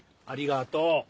ありがとう。